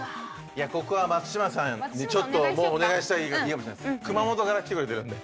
ここは松島さんにちょっともうお願いしたいいいかもしれないです